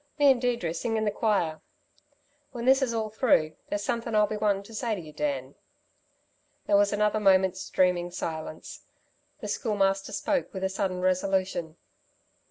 Me 'n Deirdre'd sing in the choir. When this is all through, there's something I'll want to be saying to you, Dan." There was another moment's dreaming silence. The Schoolmaster spoke with a sudden resolution.